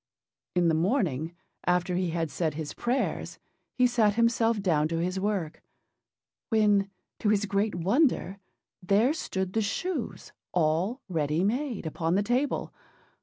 In the morning after he had said his prayers, he sat himself down to his work; when, to his great wonder, there stood the shoes all ready made, upon the table.